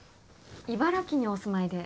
茨城にお住まいで？